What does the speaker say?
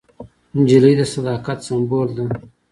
نجلۍ د صداقت سمبول ده.